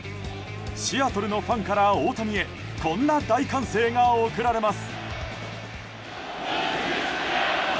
シアトルのファンから大谷へこんな大歓声が送られます。